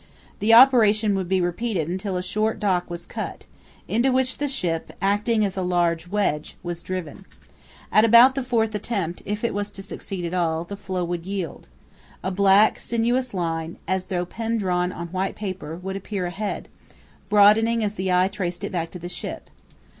The operation would be repeated until a short dock was cut, into which the ship, acting as a large wedge, was driven. At about the fourth attempt, if it was to succeed at all, the floe would yield. A black, sinuous line, as though pen drawn on white paper, would appear ahead, broadening as the eye traced it back to the ship.